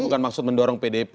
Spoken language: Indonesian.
bukan maksud mendorong pdip